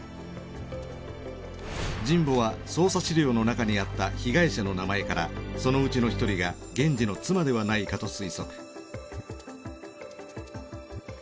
神保は捜査資料の中にあった被害者の名前からそのうちの１人が源次の妻ではないかと推測。